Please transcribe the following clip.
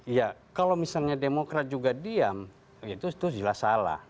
iya kalau misalnya demokrat juga diam itu jelas salah